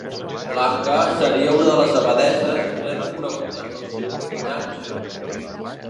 Blanca seria una de les abadesses més reconegudes del seu llinatge.